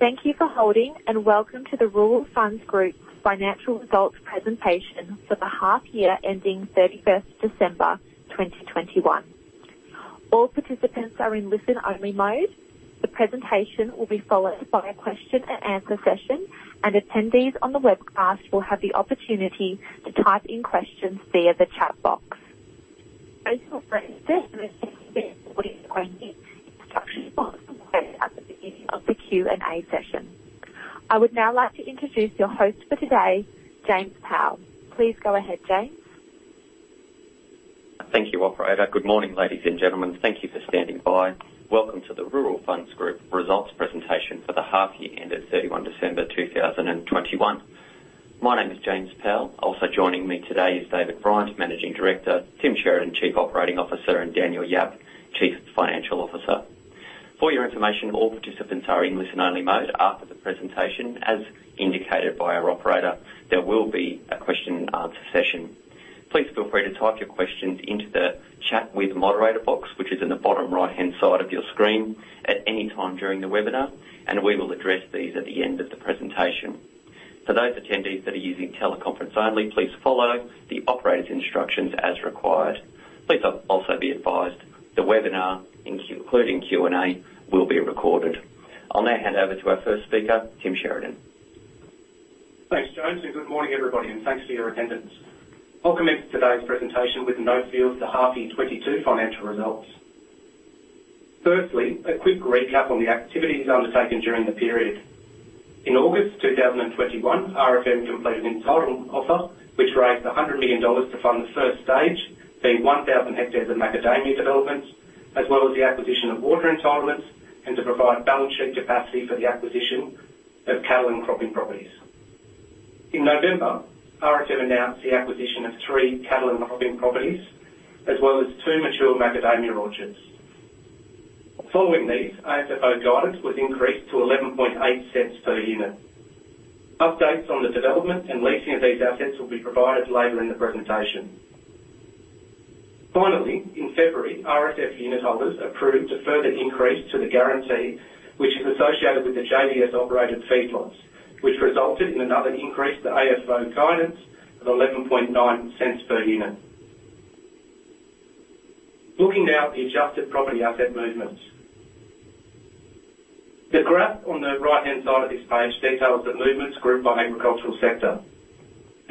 Thank you for holding, and welcome to the Rural Funds Group's financial results presentation for the half year ending 31 December 2021. All participants are in listen-only mode. The presentation will be followed by a question and answer session, and attendees on the webcast will have the opportunity to type in questions via the chat box. Those who are registered with the of the Q&A session. I would now like to introduce your host for today, James Powell. Please go ahead, James. Thank you, operator. Good morning, ladies and gentlemen. Thank you for standing by. Welcome to the Rural Funds Group results presentation for the half year ended 31 December 2021. My name is James Powell. Also joining me today is David Bryant, Managing Director, Tim Sheridan, Chief Operating Officer, and Daniel Yap, Chief Financial Officer. For your information, all participants are in listen-only mode. After the presentation, as indicated by our operator, there will be a question and answer session. Please feel free to type your questions into the Chat with Moderator box, which is in the bottom right-hand side of your screen, at any time during the webinar, and we will address these at the end of the presentation. For those attendees that are using teleconference only, please follow the operator's instructions as required. Please also be advised the webinar, including Q&A, will be recorded. I'll now hand over to our first speaker, Tim Sheridan. Thanks, James, and good morning, everybody, and thanks for your attendance. I'll commence today's presentation with an overview of the half-year 2022 financial results. First, a quick recap on the activities undertaken during the period. In August 2021, RFM completed an entitlement offer which raised 100 million dollars to fund the first stage, being 1,000 hectares of macadamia developments, as well as the acquisition of water entitlements and to provide balance sheet capacity for the acquisition of cattle and cropping properties. In November, RFM announced the acquisition of 3 cattle and cropping properties, as well as 2 mature macadamia orchards. Following these, AFFO guidance was increased to 0.118 per unit. Updates on the development and leasing of these assets will be provided later in the presentation. Finally, in February, RFF unit holders approved a further increase to the guarantee, which is associated with the JBS-operated feedlots, which resulted in another increase to AFFO guidance of 0.119 per unit. Looking now at the adjusted property asset movements. The graph on the right-hand side of this page details the movements grouped by agricultural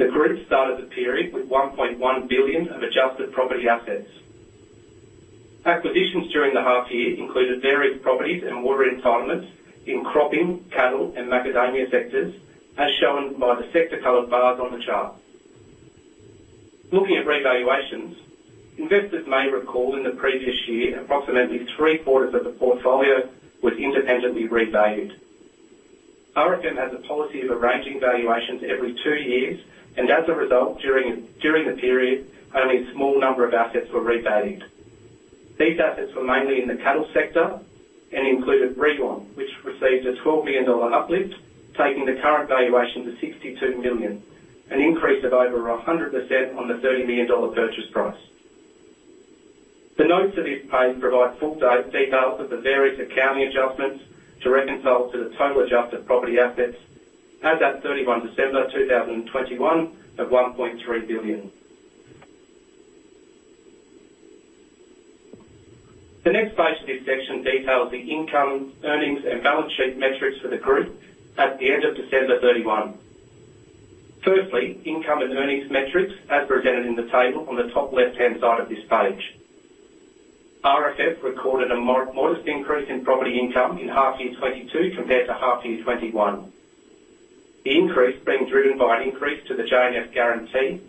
sector. The group started the period with 1.1 billion of adjusted property assets. Acquisitions during the half year included various properties and water entitlements in cropping, cattle, and macadamia sectors, as shown by the sector-colored bars on the chart. Looking at revaluations, investors may recall in the previous year, approximately three-quarters of the portfolio was independently revalued. RFM has a policy of arranging valuations every two years, and as a result, during the period, only a small number of assets were revalued. These assets were mainly in the cattle sector and included Rewan, which received an 12 million dollar uplift, taking the current valuation to 62 million, an increase of over 100% on the 30 million dollar purchase price. The notes to this page provide full date details of the various accounting adjustments to reconcile to the total adjusted property assets as at 31 December 2021 of AUD 1.3 billion. The next page of this section details the income, earnings, and balance sheet metrics for the group at the end of 31 December. Firstly, income and earnings metrics, as presented in the table on the top left-hand side of this page. RFF recorded a modest increase in property income in half year 2022 compared to half year 2021. The increase being driven by an increase to the J&F guarantee,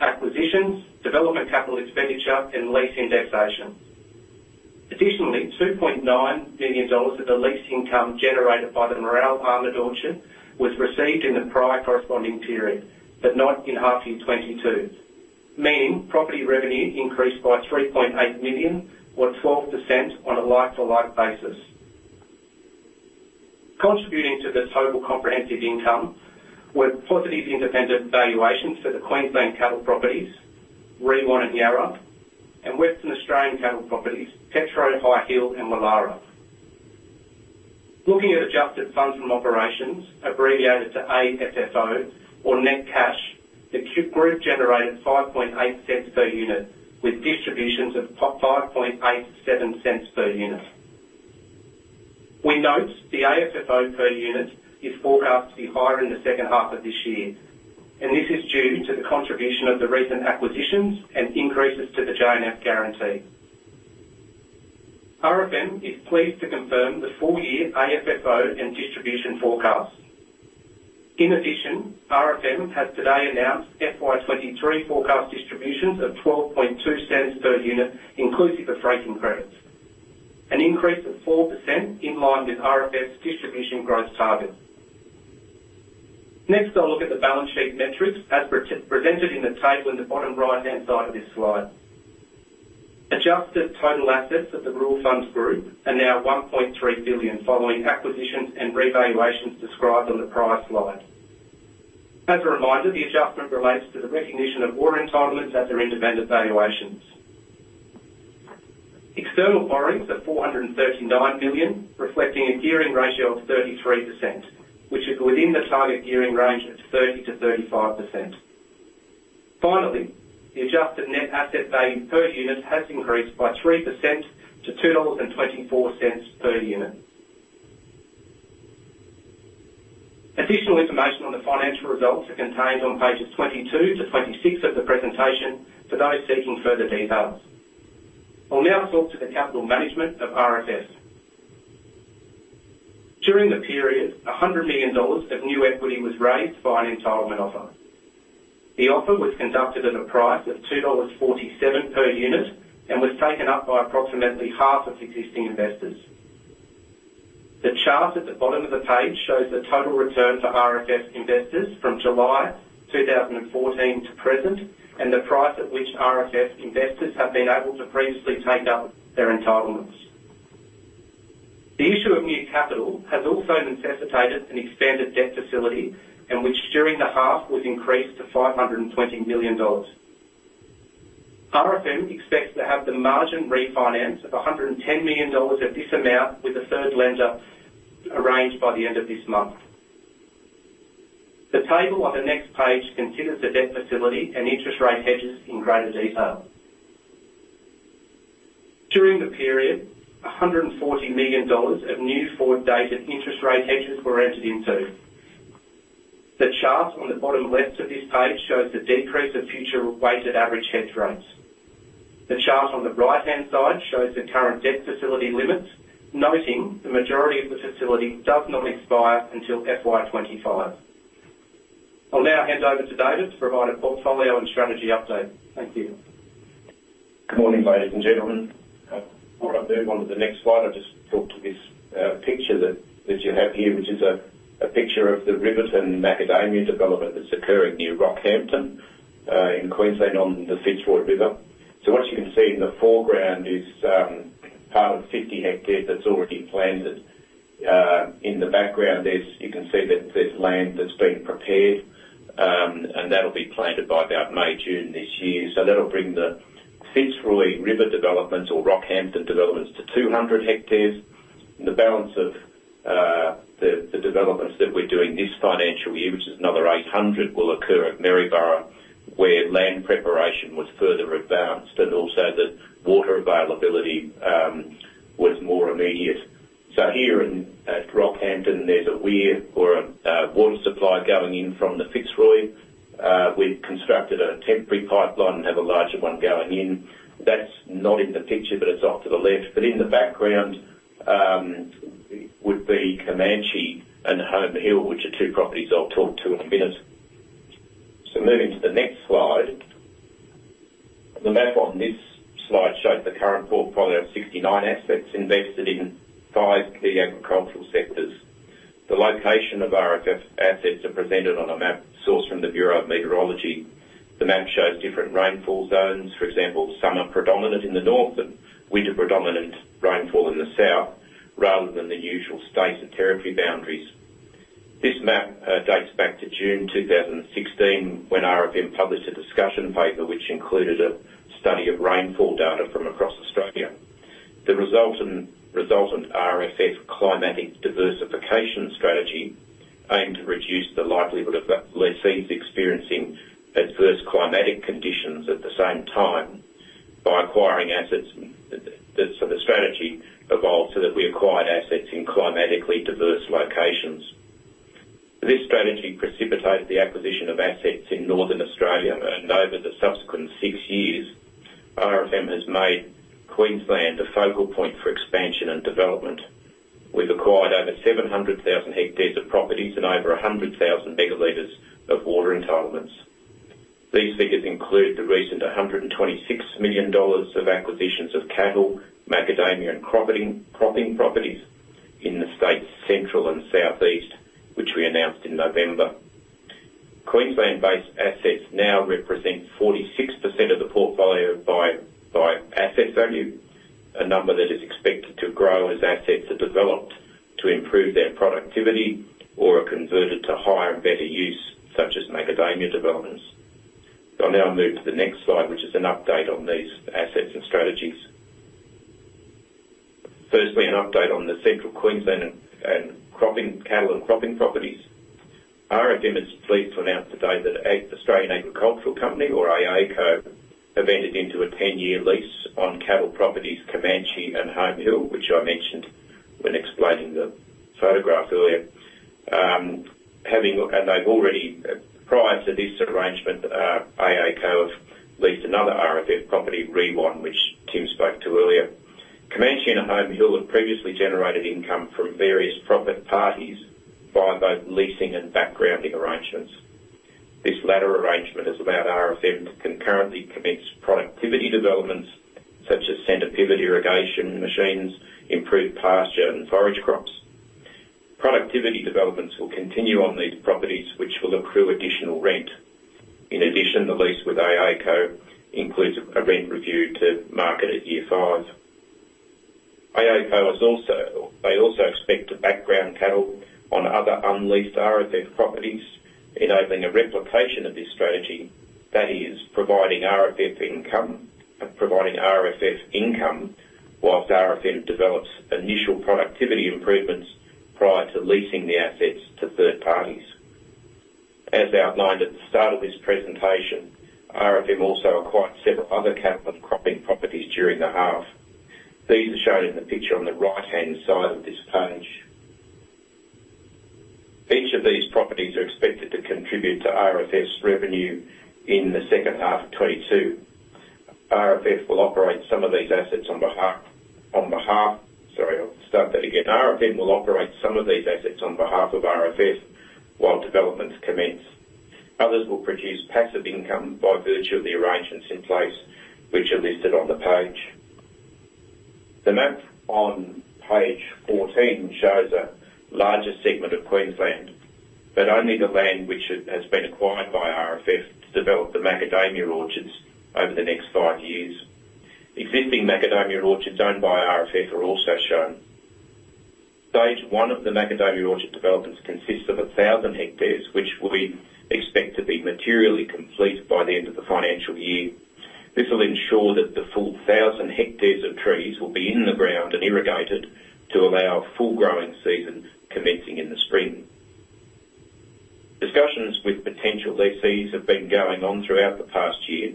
acquisitions, development capital expenditure, and lease indexation. Additionally, 2.9 million dollars of the lease income generated by the Mooral Almond Orchard was received in the prior corresponding period, but not in half year 2022, meaning property revenue increased by 3.8 million or 12% on a like-for-like basis. Contributing to the total comprehensive income were positive independent valuations for the Queensland cattle properties, Rewan and Yarra, and Western Australian cattle properties, Petro, High Hill, and Willara. Looking at adjusted funds from operations, abbreviated to AFFO or net cash, the RFF Group generated 0.058 per unit, with distributions of 5.87 cents per unit. We note the AFFO per unit is forecast to be higher in the second half of this year, and this is due to the contribution of the recent acquisitions and increases to the J&F guarantee. RFM is pleased to confirm the full-year AFFO and distribution forecasts. In addition, RFM has today announced FY 2023 forecast distributions of 0.122 per unit, inclusive of freight and credits, an increase of 4% in line with RFM's distribution growth target. Next, I'll look at the balance sheet metrics as presented in the table in the bottom right-hand side of this slide. Adjusted total assets of the Rural Funds Group are now 1.3 billion following acquisitions and revaluations described on the prior slide. As a reminder, the adjustment relates to the recognition of water entitlements at their independent valuation. External borrowings at 439 million, reflecting a gearing ratio of 33%, which is within the target gearing range of 30%-35%. Finally, the adjusted net asset value per unit has increased by 3% to 2.24 dollars per unit. Additional information on the financial results are contained on pages 22-26 of the presentation for those seeking further details. I'll now talk to the capital management of RFF. During the period, 100 million dollars of new equity was raised by an entitlement offer. The offer was conducted at a price of 2.47 dollars per unit and was taken up by approximately half of existing investors. The chart at the bottom of the page shows the total return for RFF investors from July 2014 to present, and the price at which RFF investors have been able to previously take up their entitlements. The issue of new capital has also necessitated an extended debt facility in which during the half was increased to 520 million dollars. RFM expects to have the margin refinance of 110 million dollars of this amount with a third lender arranged by the end of this month. The table on the next page considers the debt facility and interest rate hedges in greater detail. During the period, 140 million dollars of new forward-dated interest rate hedges were entered into. The chart on the bottom left of this page shows the decrease of future weighted average hedge rates. The chart on the right-hand side shows the current debt facility limits, noting the majority of the facility does not expire until FY 2025. I'll now hand over to David to provide a portfolio and strategy update. Thank you. Good morning, ladies and gentlemen. Before I move on to the next slide, I'll just talk to this picture that you have here, which is a picture of the Riverton Macadamia development that's occurring near Rockhampton in Queensland on the Fitzroy River. What you can see in the foreground is part of 50 hectares that's already planted. In the background, you can see that there's land that's been prepared, and that'll be planted by about May, June this year. That'll bring the Fitzroy River developments or Rockhampton developments to 200 hectares. The balance of the developments that we're doing this financial year, which is another 800, will occur at Maryborough, where land preparation was further advanced and also the water availability was more immediate. Here in Rockhampton, there's a weir or a water supply going in from the Fitzroy. We've constructed a temporary pipeline and have a larger one going in. That's not in the picture, but it's off to the left. In the background, would be Comanche and Home Hill, which are two properties I'll talk to in a minute. Moving to the next slide. The map on this slide shows the current portfolio of 69 assets invested in five key agricultural sectors. The location of our assets are presented on a map sourced from the Bureau of Meteorology. The map shows different rainfall zones. For example, summer predominant in the north and winter predominant rainfall in the south, rather than the usual state and territory boundaries. This map dates back to June 2016, when RFM published a discussion paper, which included a study of rainfall data from across Australia. The resultant RFF climatic diversification strategy aimed to reduce the likelihood of the lessees experiencing adverse climatic conditions at the same time by acquiring assets. The strategy evolved so that we acquired assets in climatically diverse locations. This strategy precipitated the acquisition of assets in northern Australia, and over the subsequent six years, RFM has made Queensland a focal point for expansion and development. We've acquired over 700,000 hectares of properties and over 100,000 megalitres of water entitlements. These figures include the recent 126 million dollars of acquisitions of cattle, macadamia, and cropping properties in the state's central and southeast, which we announced in November. Queensland-based assets now represent 46% of the portfolio by asset value, a number that is expected to grow as assets are developed to improve their productivity or are converted to higher and better use, such as macadamia developments. I'll now move to the next slide, which is an update on these assets and strategies. Firstly, an update on the Central Queensland cattle and cropping properties. RFM is pleased to announce today that Australian Agricultural Company, or AACo, have entered into a 10-year lease on cattle properties Comanche and Home Hill, which I mentioned when explaining the photograph earlier. They've already, prior to this arrangement, AACo have leased another RFF property, Rewan, which Tim spoke to earlier. Comanche and Home Hill have previously generated income from various third parties via both leasing and backgrounding arrangements. This latter arrangement has allowed RFM to concurrently commence productivity developments such as center pivot irrigation machines, improved pasture and forage crops. Productivity developments will continue on these properties, which will accrue additional rent. In addition, the lease with AACo includes a rent review to market at year five. Also, they expect to background cattle on other unleased RFF properties, enabling a replication of this strategy that is providing RFF income while RFM develops initial productivity improvements prior to leasing the assets to third parties. As outlined at the start of this presentation, RFM also acquired several other cattle and cropping properties during the half. These are shown in the picture on the right-hand side of this page. Each of these properties are expected to contribute to RFF's revenue in the second half of 2022. RFF will operate some of these assets on behalf, on behalf. Sorry, I'll start that again. RFM will operate some of these assets on behalf of RFF while developments commence. Others will produce passive income by virtue of the arrangements in place, which are listed on the page. The map on page 14 shows a larger segment of Queensland, but only the land which has been acquired by RFF to develop the macadamia orchards over the next 5 years. Existing macadamia orchards owned by RFF are also shown. Stage one of the macadamia orchard developments consists of 1,000 hectares, which we expect to be materially complete by the end of the financial year. This will ensure that the full 1,000 hectares of trees will be in the ground and irrigated to allow full growing seasons commencing in the spring. Discussions with potential lessees have been going on throughout the past year.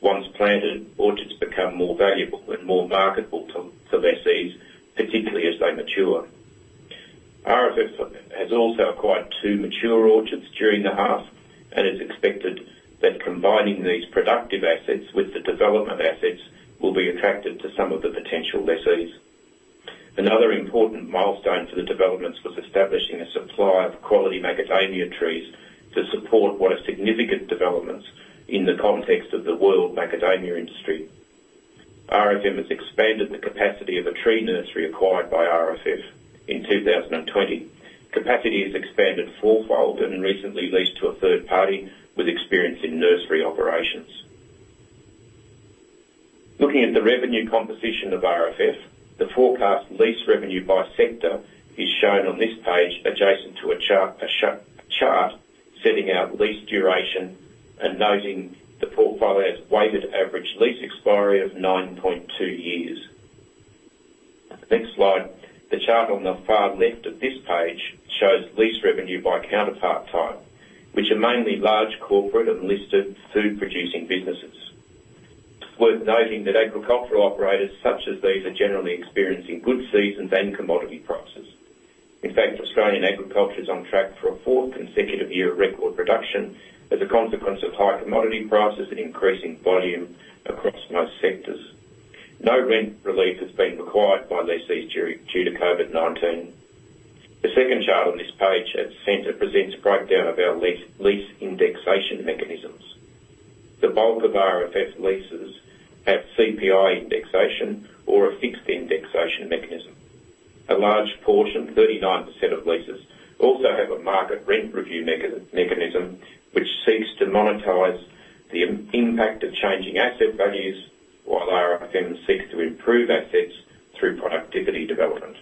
Once planted, orchards become more valuable and more marketable to lessees, particularly as they mature. RFF has also acquired two mature orchards during the half, and it's expected that combining these productive assets with the development assets will be attractive to some of the potential lessees. Another important milestone for the developments was establishing a supply of quality macadamia trees to support what are significant developments in the context of the world macadamia industry. RFM has expanded the capacity of a tree nursery acquired by RFF in 2020. Capacity has expanded four-fold and recently leased to a third party with experience in nursery operations. Looking at the revenue composition of RFF, the forecast lease revenue by sector is shown on this page adjacent to a chart setting out lease duration and noting the portfolio's weighted average lease expiry of 9.2 years. Next slide. The chart on the far left of this page shows lease revenue by counterparty type, which are mainly large corporate and listed food-producing businesses. Worth noting that agricultural operators such as these are generally experiencing good seasons and commodity prices. In fact, Australian agriculture is on track for a fourth consecutive year of record production as a consequence of high commodity prices and increasing volume across most sectors. No rent relief has been required by lessees due to COVID-19. The second chart on this page at center presents breakdown of our lease indexation mechanisms. The bulk of RFF's leases have CPI indexation or a fixed indexation mechanism. A large portion, 39% of leases, also have a market rent review mechanism which seeks to monetize the impact of changing asset values while RFM seeks to improve assets through productivity development.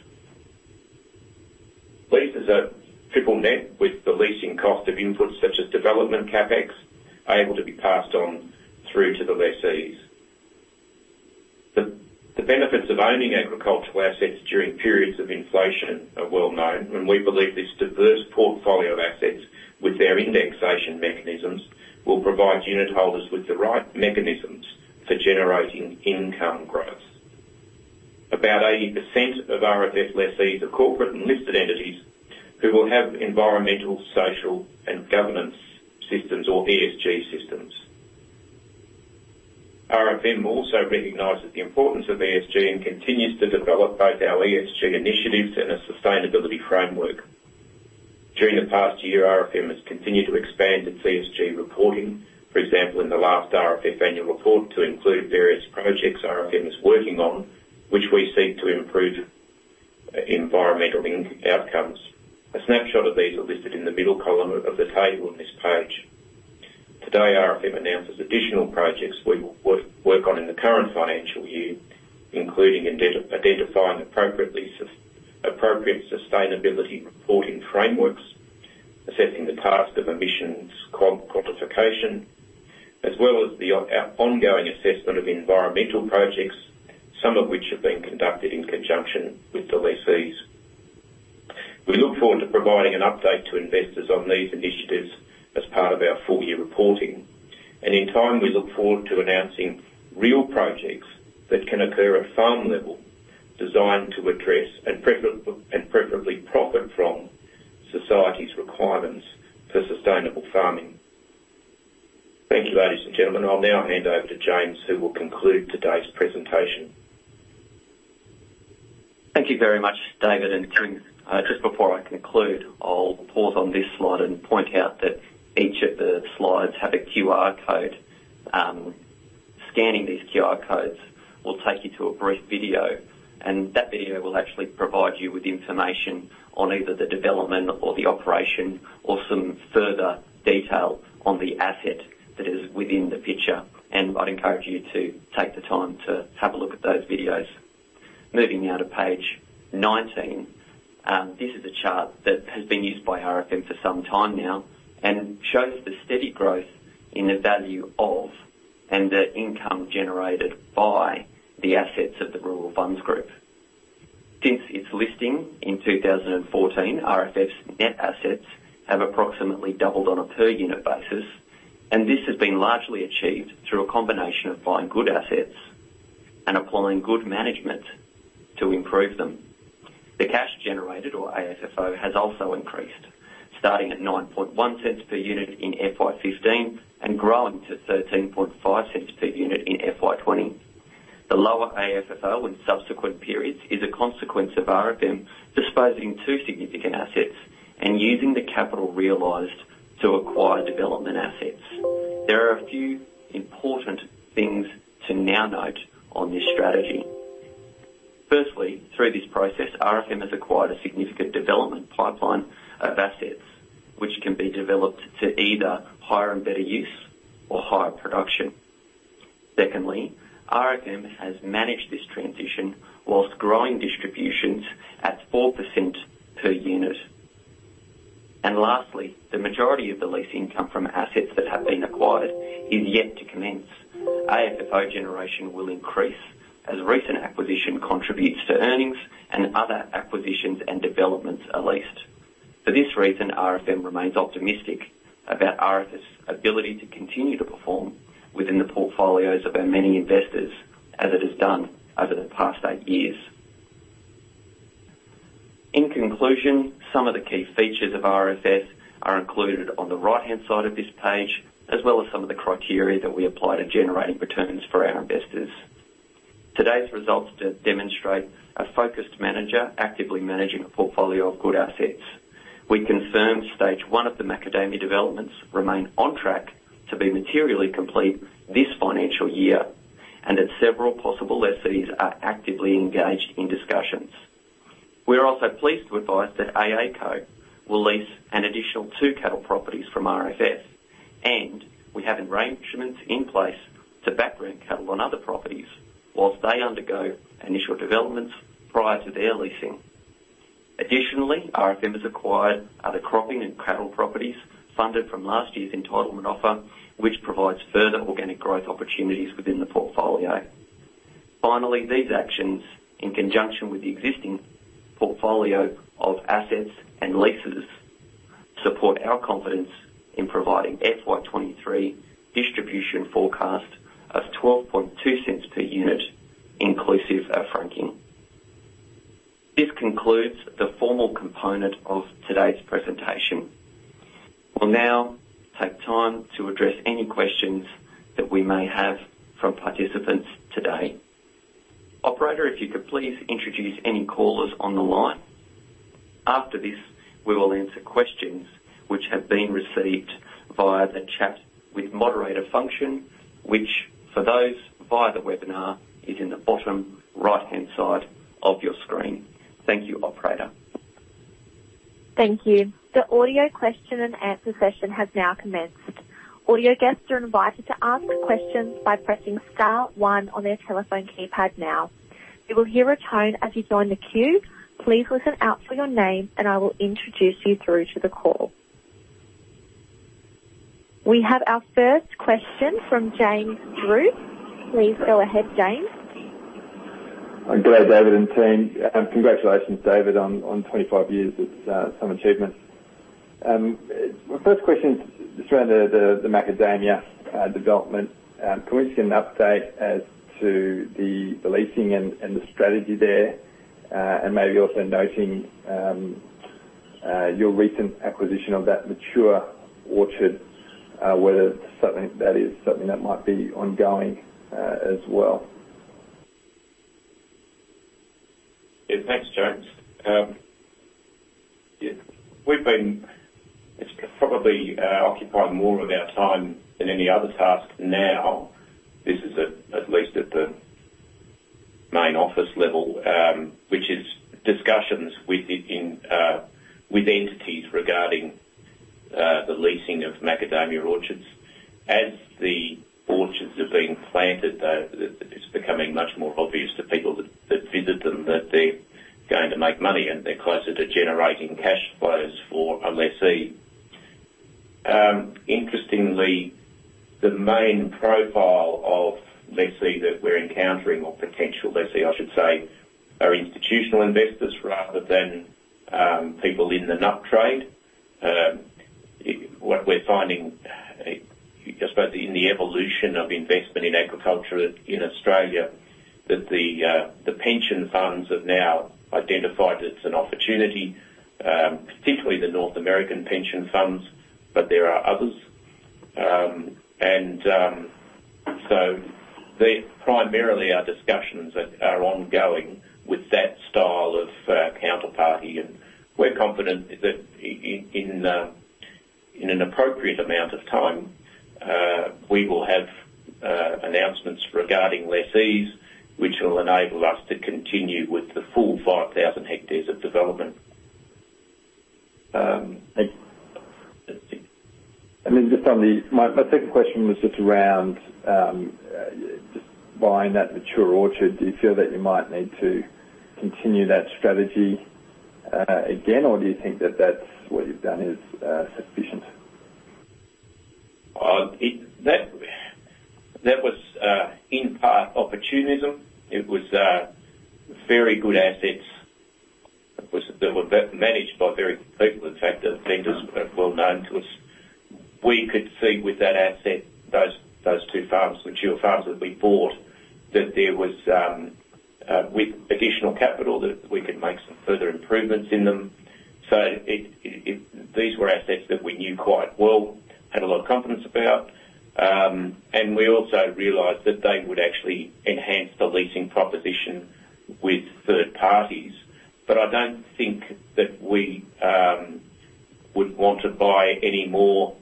Leases are triple net with the leasing cost of inputs such as development CapEx able to be passed on through to the lessees. The benefits of owning agricultural assets during periods of inflation are well known, and we believe this diverse portfolio of assets with their indexation mechanisms will provide unitholders with the right mechanisms for generating income growth. About 80% of RFF lessees are corporate and listed entities who will have environmental, social, and governance systems or ESG systems. RFM also recognizes the importance of ESG and continues to develop both our ESG initiatives and a sustainability framework. During the past year, RFM has continued to expand its ESG reporting, for example, in the last RFF annual report, to include various projects RFM is working on, which we seek to improve environmental outcomes. A snapshot of these are listed in the middle column of the table on this page. Today, RFM announces additional projects we will work on in the current financial year, including identifying appropriate sustainability reporting frameworks, assessing TCFD emissions quantification, as well as the ongoing assessment of environmental projects, some of which have been conducted in conjunction with the lessees. We look forward to providing an update to investors on these initiatives as part of our full-year reporting. In time, we look forward to announcing real projects that can occur at farm level designed to address, and preferably profit from, society's requirements for sustainable farming. Thank you, ladies and gentlemen. I'll now hand over to James, who will conclude today's presentation. Thank you very much, David. Just before I conclude, I'll pause on this slide and point out that each of the slides have a QR code. Scanning these QR codes will take you to a brief video, and that video will actually provide you with information on either the development or the operation or some further detail on the asset. That is within the picture, and I'd encourage you to take the time to have a look at those videos. Moving now to page 19, this is a chart that has been used by RFM for some time now and shows the steady growth in the value of, and the income generated by the assets of the Rural Funds Group. Since its listing in 2014, RFF's net assets have approximately doubled on a per unit basis, and this has been largely achieved through a combination of buying good assets and applying good management to improve them. The cash generated or AFFO has also increased, starting at 0.091 per unit in FY 2015 and growing to 0.135 per unit in FY 2020. The lower AFFO in subsequent periods is a consequence of RFM disposing two significant assets and using the capital realized to acquire development assets. There are a few important things to now note on this strategy. Firstly, through this process, RFM has acquired a significant development pipeline of assets, which can be developed to either higher and better use or higher production. Secondly, RFM has managed this transition while growing distributions at 4% per unit. Lastly, the majority of the lease income from assets that have been acquired is yet to commence. AFFO generation will increase as recent acquisition contributes to earnings and other acquisitions and developments are leased. For this reason, RFM remains optimistic about RFF's ability to continue to perform within the portfolios of our many investors as it has done over the past eight years. In conclusion, some of the key features of RFF are included on the right-hand side of this page, as well as some of the criteria that we apply to generating returns for our investors. Today's results demonstrate a focused manager actively managing a portfolio of good assets. We confirm stage one of the macadamia developments remain on track to be materially complete this financial year and that several possible lessees are actively engaged in discussions. We are also pleased to advise that AACo will lease an additional two cattle properties from RFF, and we have arrangements in place to background cattle on other properties while they undergo initial developments prior to their leasing. Additionally, RFM has acquired other cropping and cattle properties funded from last year's entitlement offer, which provides further organic growth opportunities within the portfolio. Finally, these actions, in conjunction with the existing portfolio of assets and leases, support our confidence in providing FY 2023 distribution forecast of 12.2 per unit, inclusive of franking. This concludes the formal component of today's presentation. We'll now take time to address any questions that we may have from participants today. Operator, if you could please introduce any callers on the line. After this, we will answer questions which have been received via the chat with moderator function, which, for those via the webinar, is in the bottom right-hand side of your screen. Thank you, operator. Thank you. The audio question and answer session has now commenced. Audio guests are invited to ask questions by pressing star one on their telephone keypad now. You will hear a tone as you join the queue. Please listen out for your name, and I will introduce you through to the call. We have our first question from James Bruce. Please go ahead, James. Good day, David and team. Congratulations, David, on 25 years. That's some achievement. My first question is just around the macadamia development. Can we just get an update as to the leasing and the strategy there, and maybe also noting your recent acquisition of that mature orchard, whether that is something that might be ongoing, as well? Yeah. Thanks, James. It's probably occupied more of our time than any other task now. This is at least at the main office level, which is discussions with entities regarding the leasing of macadamia orchards. As the orchards are being planted, it's becoming much more obvious to people that visit them that they're going to make money and they're closer to generating cash flows for a lessee. Interestingly, the main profile of lessee that we're encountering, or potential lessee, I should say, are institutional investors rather than people in the nut trade. What we're finding, I suppose in the evolution of investment in agriculture in Australia, that the pension funds have now identified it's an opportunity, particularly the North American pension funds, but there are others. They primarily are discussions that are ongoing with that style of counterparty, and we're confident that in an appropriate amount of time we will have announcements regarding lessees which will enable us to continue with the full 5,000 hectares of development. Just on my second question was just around just buying that mature orchard. Do you feel that you might need to continue that strategy again, or do you think that that's what you've done is sufficient? That was in part opportunism. It was very good assets. They were managed by very good people. In fact, the vendors were well known to us. We could see with that asset, those two farms, mature farms that we bought, that there was with additional capital, that we could make some further improvements in them. These were assets that we knew quite well, had a lot of confidence about. We also realized that they would actually enhance the leasing proposition with third parties. I don't think that we would want to buy any more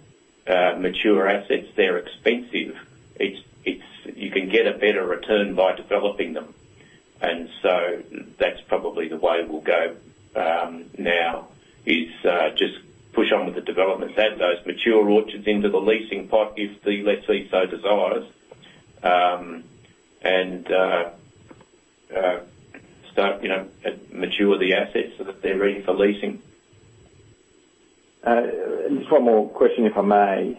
mature assets. They're expensive. You can get a better return by developing them. That's probably the way we'll go, now is just push on with the developments, add those mature orchards into the leasing pot if the lessee so desires, and start, you know, mature the assets so that they're ready for leasing. Just one more question, if I may.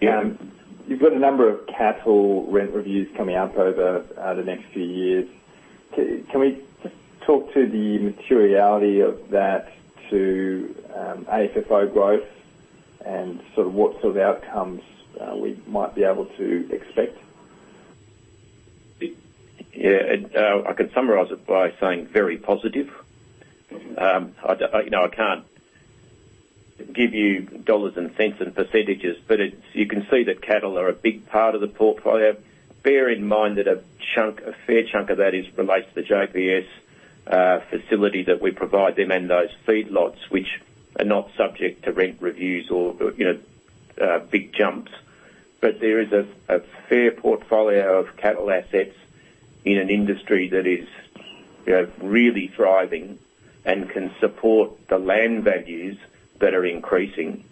Yeah. You've got a number of cattle rent reviews coming up over the next few years. Can we just talk to the materiality of that to AFFO growth and sort of what sort of outcomes we might be able to expect? I can summarize it by saying it's very positive. I can't give you dollars and cents and percentages, but you can see that cattle are a big part of the portfolio. Bear in mind that a fair chunk of that is related to the JBS facility that we provide them and those feedlots, which are not subject to rent reviews or big jumps. There is a fair portfolio of cattle assets in an industry that is really thriving and can support the land values that are increasing.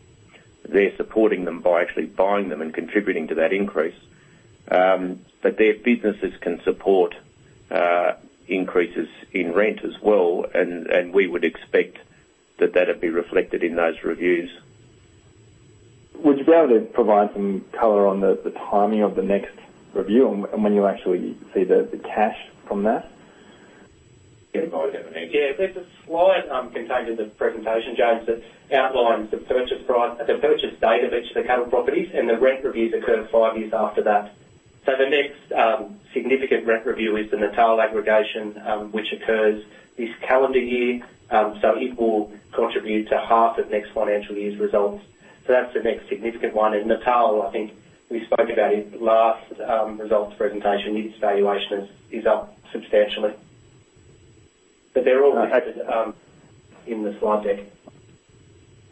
They're supporting them by actually buying them and contributing to that increase. Their businesses can support increases in rent as well. We would expect that that'd be reflected in those reviews. Would you be able to provide some color on the timing of the next review and when you actually see the cash from that? Yeah. There's a slide contained in the presentation, James, that outlines the purchase price, the purchase date of each of the cattle properties, and the rent reviews occur five years after that. The next significant rent review is the Natal aggregation, which occurs this calendar year. It will contribute to half of next financial year's results. That's the next significant one. Natal, I think we spoke about in last results presentation, its valuation is up substantially. They're all stated in the slide deck.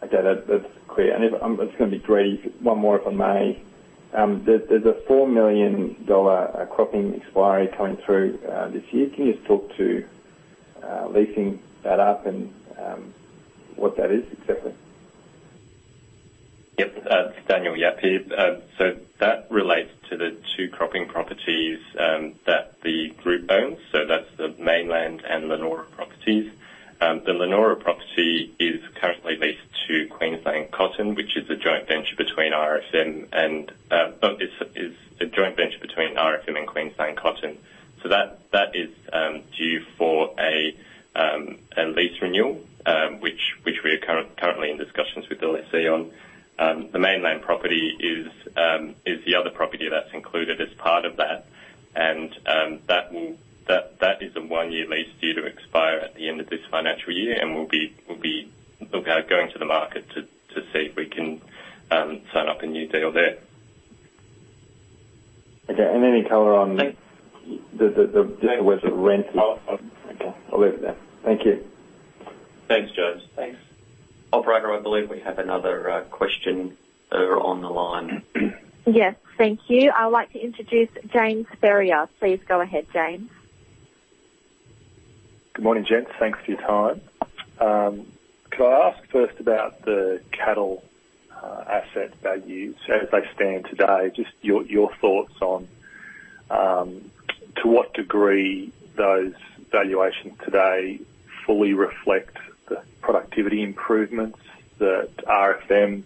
Okay. That's clear. If I'm just going to be greedy. One more, if I may. There's a 4 million dollar cropping expiry coming through this year. Can you just talk to leasing that up and what that is exactly? Yep. It's Daniel Yap here. That relates to the two cropping properties that the group owns. That's the Mayneland and Leonora properties. The Leonora property is currently leased to Queensland Cotton, which is a joint venture between RFM and Queensland Cotton. That is due for a lease renewal, which we are currently in discussions with the lessee on. The Mayneland property is the other property that's included as part of that. That is a one-year lease due to expire at the end of this financial year. We'll be looking at going to the market to see if we can sign up a new deal there. Okay. Any color on the Thanks. Just where the rent is? I'll- Okay, I'll leave it there. Thank you. Thanks, James. Thanks. Operator, I believe we have another questioner on the line. Yes. Thank you. I would like to introduce James Ferrier. Please go ahead, James. Good morning, gents. Thanks for your time. Could I ask first about the cattle asset values as they stand today? Just your thoughts on to what degree those valuations today fully reflect the productivity improvements that RFM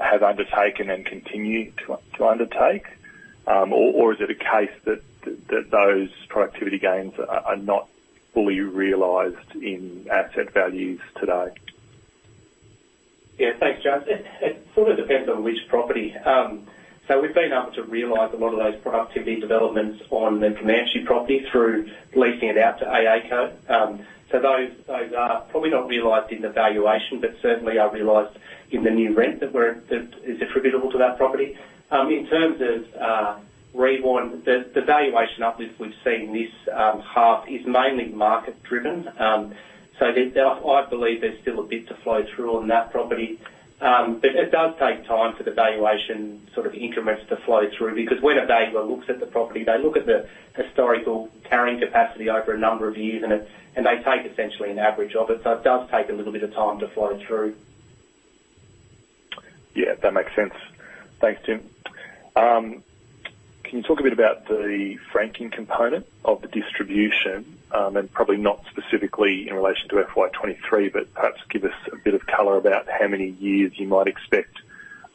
have undertaken and continue to undertake? Or is it a case that those productivity gains are not fully realized in asset values today? Yeah. Thanks, James. It sort of depends on which property. So we've been able to realize a lot of those productivity developments on the Rewan property through leasing it out to AACo. So those are probably not realized in the valuation, but certainly are realized in the new rent that is attributable to that property. In terms of Rewan, the valuation uplift we've seen this half is mainly market driven. So there I believe there's still a bit to flow through on that property. But it does take time for the valuation sort of increments to flow through because when a valuer looks at the property, they look at the historical carrying capacity over a number of years, and they take essentially an average of it. It does take a little bit of time to flow through. Yeah, that makes sense. Thanks, Tim. Can you talk a bit about the franking component of the distribution, and probably not specifically in relation to FY 2023, but perhaps give us a bit of color about how many years you might expect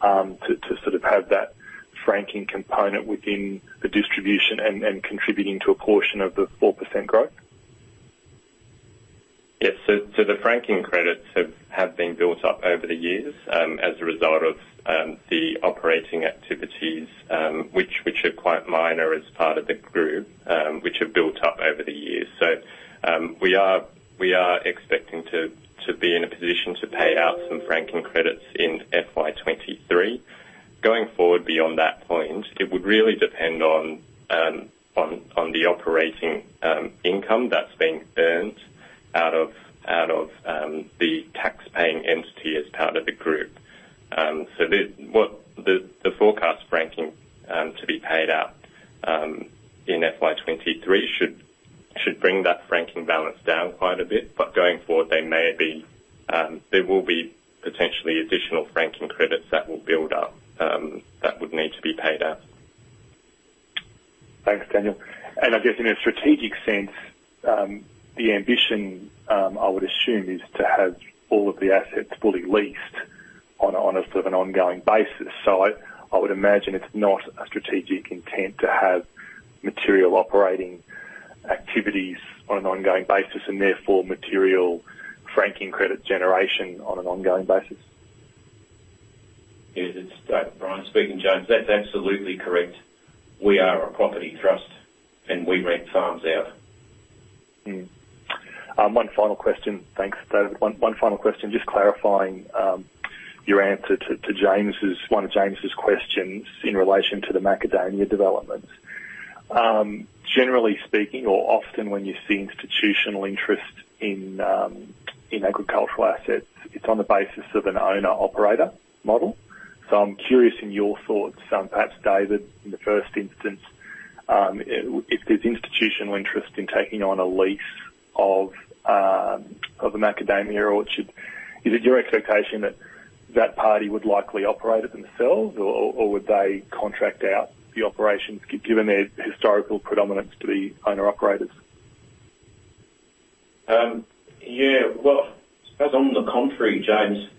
to sort of have that franking component within the distribution and contributing to a portion of the 4% growth? Yes. The franking credits have been built up over the years as a result of the operating activities which are quite minor as part of the group which have built up over the years. We are expecting to be in a position to pay out some franking credits in FY 2023. Going forward, beyond that point, it would really depend on the operating income that's being earned out of the taxpaying entity as part of the group. The forecast franking to be paid out in FY 2023 should bring that franking balance down quite a bit. Going forward, there will be potentially additional franking credits that will build up that would need to be paid out. Thanks, Daniel. I guess in a strategic sense, the ambition, I would assume is to have all of the assets fully leased on a sort of an ongoing basis. I would imagine it's not a strategic intent to have material operating activities on an ongoing basis and therefore material franking credit generation on an ongoing basis. Yes, it's David Bryant speaking, James. That's absolutely correct. We are a property trust, and we rent farms out. One final question. Thanks, David. One final question, just clarifying your answer to one of James's questions in relation to the macadamia developments. Generally speaking, or often when you see institutional interest in agricultural assets, it's on the basis of an owner/operator model. I'm curious in your thoughts, perhaps David, in the first instance, if there's institutional interest in taking on a lease of the macadamia. Is it your expectation that that party would likely operate it themselves, or would they contract out the operations given their historical predominance to the owner/operators? Yeah. Well, I suppose on the contrary, James,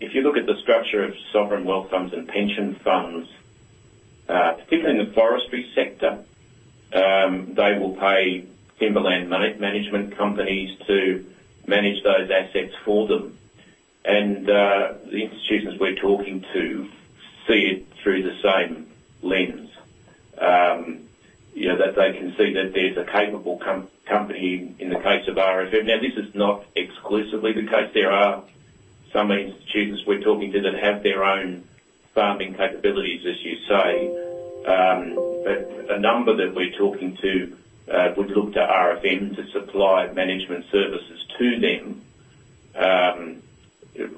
if you look at the structure of sovereign wealth funds and pension funds, particularly in the forestry sector, they will pay timberland management companies to manage those assets for them. The institutions we're talking to see it through the same lens. You know, that they can see that there's a capable company in the case of RFM. Now, this is not exclusively the case. There are some institutions we're talking to that have their own farming capabilities, as you say. The number that we're talking to would look to RFM to supply management services to them,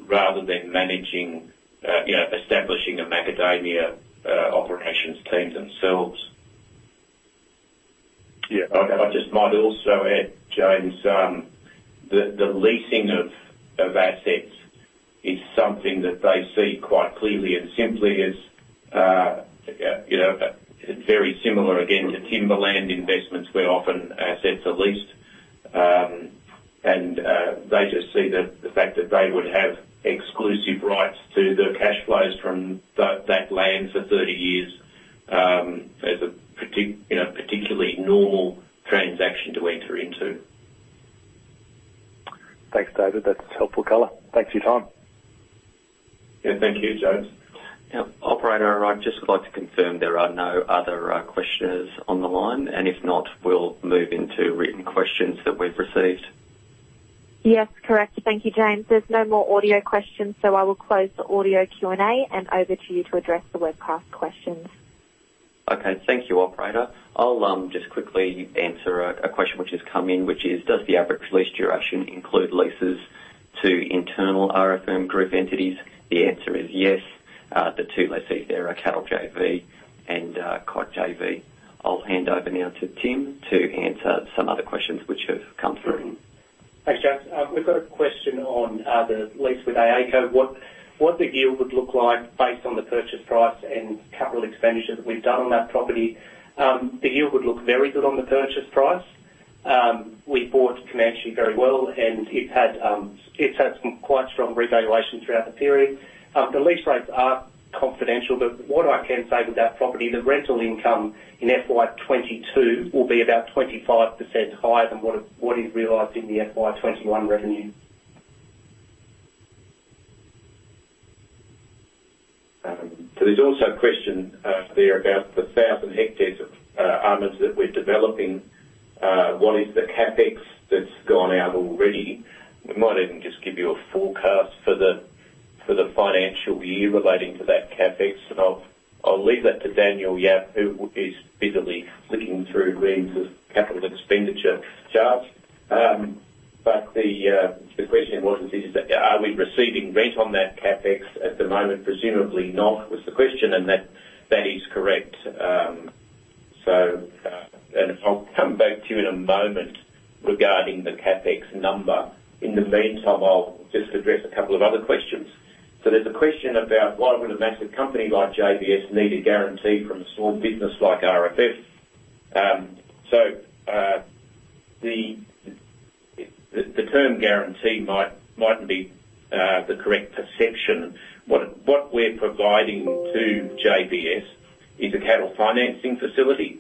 rather than managing, you know, establishing a macadamia operations team themselves. Yeah. I just might also add, James, the leasing of assets is something that they see quite clearly and simply as, you know, very similar again to timberland investments where often assets are leased. They just see the fact that they would have exclusive rights to the cash flows from that land for 30 years as a, you know, particularly normal transaction to enter into. Thanks, David. That's helpful color. Thanks for your time. Yeah, thank you, James. Yeah. Operator, I'd just like to confirm there are no other questions on the line, and if not, we'll move into written questions that we've received. Yes, correct. Thank you, James. There's no more audio questions, so I will close the audio Q&A, and over to you to address the webcast questions. Okay. Thank you, operator. I'll just quickly answer a question which has come in, which is, does the average lease duration include leases to internal RFM group entities? The answer is yes. The two lessees there are Cattle JV and Cotton JV. I'll hand over now to Tim to answer some other questions which have come through. Thanks, James. We've got a question on the lease with AACo, what the yield would look like based on the purchase price and capital expenditure that we've done on that property. The yield would look very good on the purchase price. We bought Comanche very well, and it's had some quite strong revaluation throughout the period. The lease rates are confidential, but what I can say with that property, the rental income in FY 2022 will be about 25% higher than what it is realized in the FY 2021 revenue. There's also a question there about the 1,000 hectares of almonds that we're developing. What is the CapEx that's gone out already? We might even just give you a forecast for the financial year relating to that CapEx, and I'll leave that to Daniel Yap, who is bitterly flicking through reams of capital expenditure charts. The question in essence is, are we receiving rent on that CapEx at the moment? Presumably not, was the question, and that is correct. I'll come back to you in a moment regarding the CapEx number. In the meantime, I'll just address a couple of other questions. There's a question about why would a massive company like JBS need a guarantee from a small business like RFF? The term guarantee mightn't be the correct perception. What we're providing to JBS is a cattle financing facility.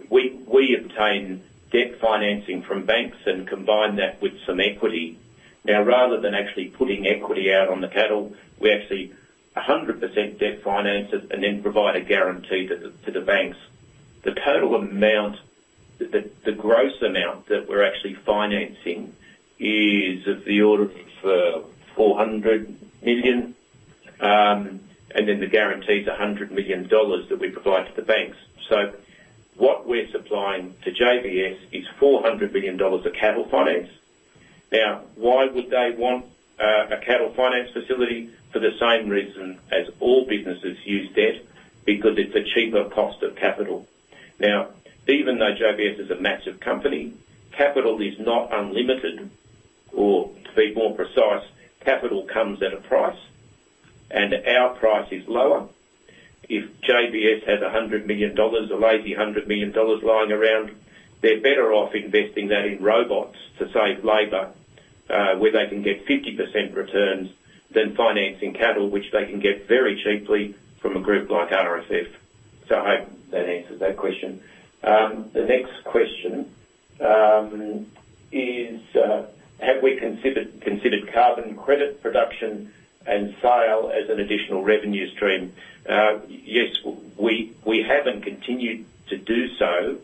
We obtain debt financing from banks and combine that with some equity. Rather than actually putting equity out on the cattle, we actually 100% debt finance it and then provide a guarantee to the banks. The total amount, the gross amount that we're actually financing is of the order of 400 million, and then the guarantee is 100 million dollars that we provide to the banks. What we're supplying to JBS is 400 million dollars of cattle finance. Why would they want a cattle finance facility? For the same reason as all businesses use debt, because it's a cheaper cost of capital. Now, even though JBS is a massive company, capital is not unlimited, or to be more precise, capital comes at a price, and our price is lower. If JBS has 100 million dollars or a lazy 100 million dollars lying around, they're better off investing that in robots to save labor, where they can get 50% returns than financing cattle, which they can get very cheaply from a group like RFF. I hope that answers that question. The next question is, have we considered carbon credits production and sale as an additional revenue stream? Yes, we have continued to do so.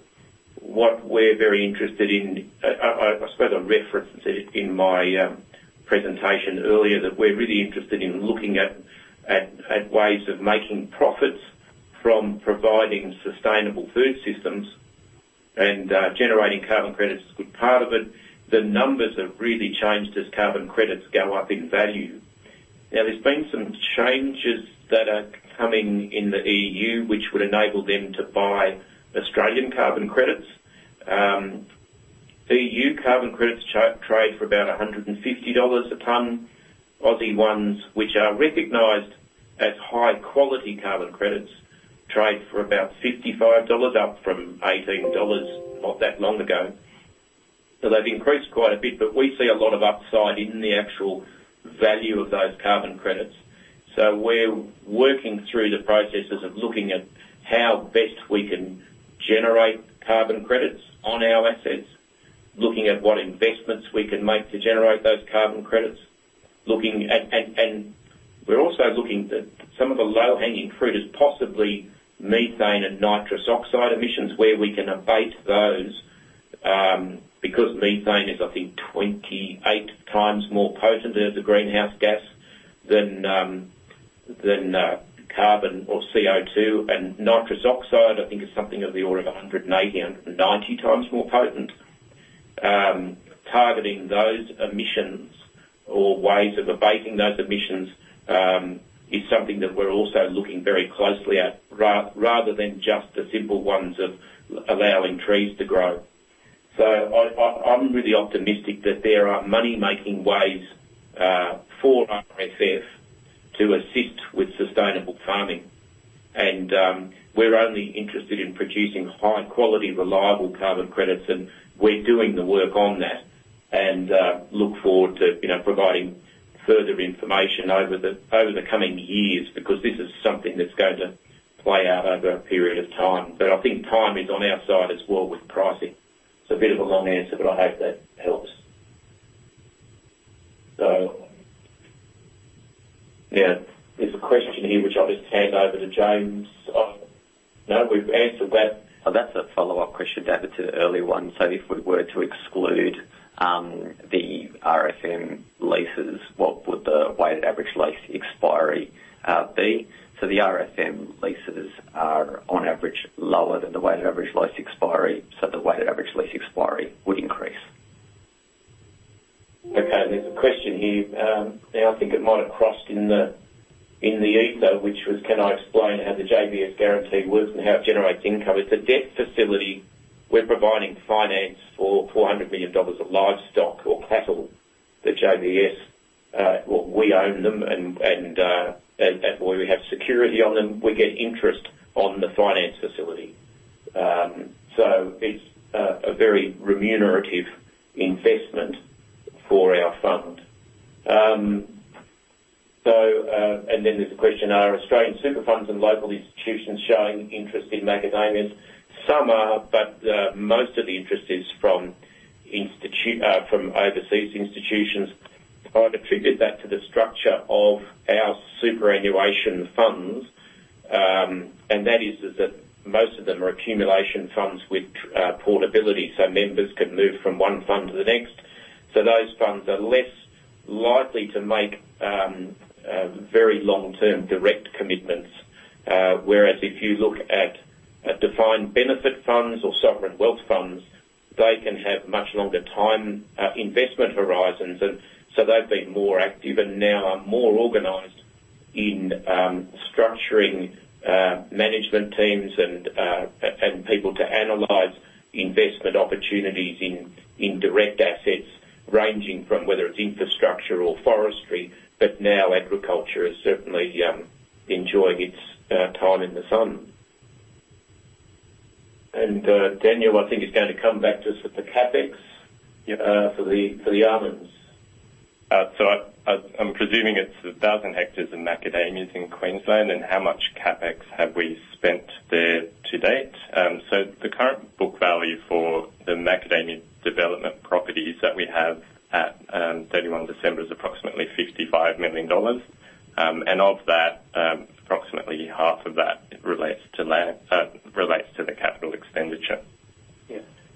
What we're very interested in, I suppose I referenced it in my presentation earlier, that we're really interested in looking at ways of making profits from providing sustainable food systems and generating carbon credits is a good part of it. The numbers have really changed as carbon credits go up in value. Now, there's been some changes that are coming in the EU, which would enable them to buy Australian carbon credits. EU carbon credits trade for about 150 dollars a ton. Aussie ones, which are recognized as high-quality carbon credits, trade for about 55 dollars, up from 18 dollars not that long ago. They've increased quite a bit, but we see a lot of upside in the actual value of those carbon credits. We're working through the processes of looking at how best we can generate carbon credits on our assets, looking at what investments we can make to generate those carbon credits, and we're also looking at some of the low-hanging fruit as possibly methane and nitrous oxide emissions, where we can abate those, because methane is, I think, 28 times more potent as a greenhouse gas than carbon or CO2. Nitrous oxide, I think, is something of the order of 180-190 times more potent. Targeting those emissions or ways of abating those emissions is something that we're also looking very closely at, rather than just the simple ones of allowing trees to grow. I'm really optimistic that there are money-making ways for RFF to assist with sustainable farming. We're only interested in producing high-quality, reliable carbon credits, and we're doing the work on that and look forward to providing further information over the coming years because this is something that's going to play out over a period of time. I think time is on our side as well with pricing. It's a bit of a long answer, but I hope that helps. There's a question here which I'll just hand over to James. No, we've answered that. Oh, that's a follow-up question, David, to the earlier one. If we were to exclude the RFM leases, what would the weighted average lease expiry be? The RFM leases are on average lower than the weighted average lease expiry, so the weighted average lease expiry would increase. Okay, there's a question here, now I think it might have crossed in the ether, which was, can I explain how the JBS guarantee works and how it generates income? It's a debt facility. We're providing finance for 400 million dollars of livestock or cattle that JBS, we own them and we have security on them. We get interest on the finance facility. It's a very remunerative investment for our fund. There's a question, are Australian super funds and local institutions showing interest in macadamias? Some are, but most of the interest is from overseas institutions. I'd attribute that to the structure of our superannuation funds, and that is that most of them are accumulation funds with portability, so members can move from one fund to the next. Those funds are less likely to make very long-term direct commitments. Whereas if you look at defined benefit funds or sovereign wealth funds, they can have much longer time investment horizons and so they've been more active and now are more organized in structuring management teams and people to analyze investment opportunities in direct assets ranging from whether it's infrastructure or forestry, but now agriculture is certainly enjoying its time in the sun. Daniel, I think, is gonna come back to us with the CapEx. Yep. For the almonds. I'm presuming it's the 1000 hectares of macadamias in Queensland, and how much CapEx have we spent there to date? The current book value for the macadamia development properties that we have at 31 December is approximately 55 million dollars. Of that, approximately half of that relates to land, relates to the capital expenditure.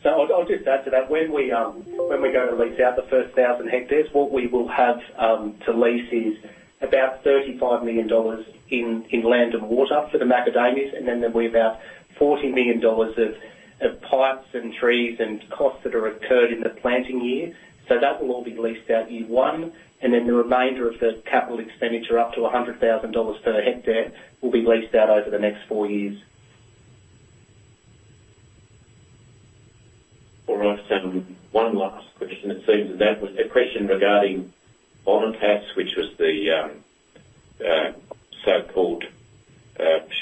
Yeah. I'll just add to that. When we go to lease out the first 1,000 hectares, what we will have to lease is about 35 million dollars in land and water for the macadamias, and then there'll be about 40 million dollars of pipes and trees and costs that are incurred in the planting year. That will all be leased out year one, and then the remainder of the capital expenditure, up to 100,000 dollars per hectare, will be leased out over the next four years. All right, one last question it seems, and that was a question regarding Bonitas, which was the so-called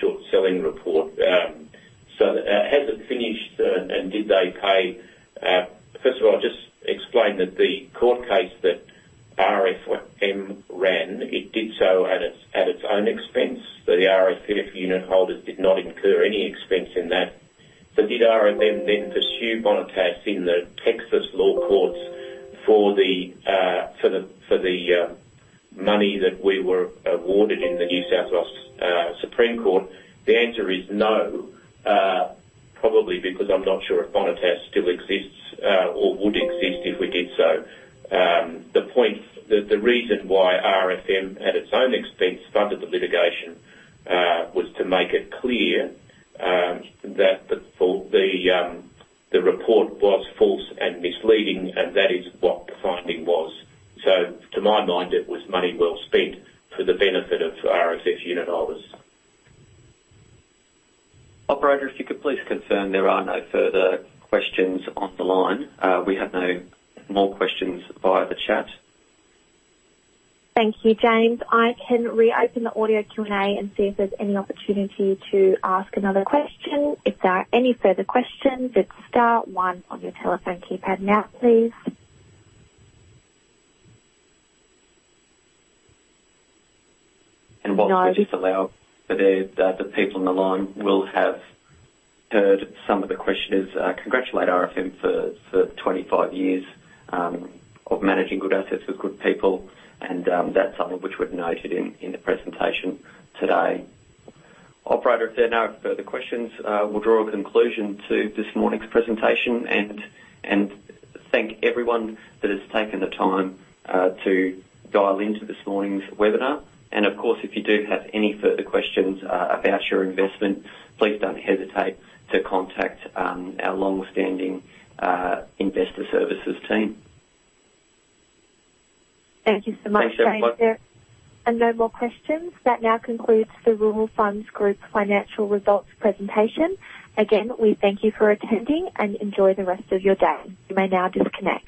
short-selling report. Has it finished, and did they pay? First of all, just explain that the court case that RFM ran, it did so at its own expense. The RFF unit holders did not incur any expense in that. Did RFM then pursue Bonitas in the Texas law courts for the money that we were awarded in the New South Wales Supreme Court? The answer is no, probably because I'm not sure if Bonitas still exists or would exist if we did so. The reason why RFM, at its own expense, funded the litigation, was to make it clear that the report was false and misleading, and that is what the finding was. To my mind, it was money well spent for the benefit of RFF unit holders. Operator, if you could please confirm there are no further questions on the line. We have no more questions via the chat. Thank you, James. I can reopen the audio Q&A and see if there's any opportunity to ask another question. If there are any further questions, it's star one on your telephone keypad now, please. No While we just allow for the people on the line will have heard some of the questions, congratulate RFM for 25 years of managing good assets with good people and, that's something which we've noted in the presentation today. Operator, if there are no further questions, we'll draw a conclusion to this morning's presentation and thank everyone that has taken the time to dial into this morning's webinar. Of course, if you do have any further questions about your investment, please don't hesitate to contact our longstanding investor services team. Thank you so much, James. Thanks everyone. No more questions. That now concludes the Rural Funds Group financial results presentation. Again, we thank you for attending and enjoy the rest of your day. You may now disconnect.